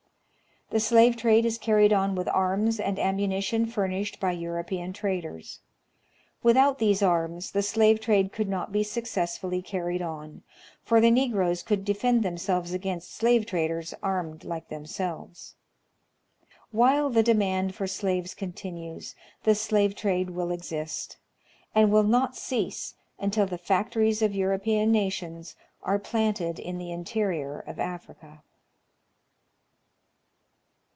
The slave trade is carried on with arms and ammunition furnished by European traders. Without these arms, the slave trade could not be successfully carried on, for the Negroes could defend themselves against slave traders armed like themselves. While the demand for slaves continues, the slave trade will exist, and will not cease until the factories of European nations are planted in the interior of Africa.